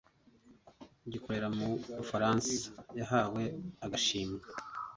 gikorera mu bufaransa yahawe agashimwe